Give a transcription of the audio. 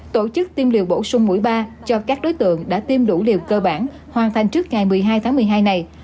tổ chức tiêm liều bổ sung mũi ba cho các đối tượng đã tiêm đủ liều cơ bản hoàn thành trước ngày một mươi hai tháng một mươi hai này